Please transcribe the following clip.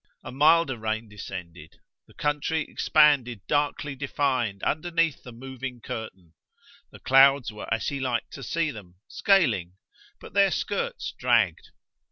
A milder rain descended; the country expanded darkly defined underneath the moving curtain; the clouds were as he liked to see them, scaling; but their skirts dragged.